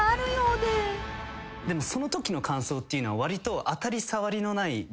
そのときの感想っていうのはわりと。